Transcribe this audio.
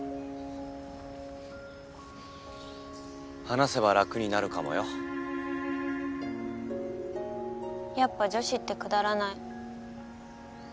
話せば楽になるかもよやっぱ女子ってくだらない。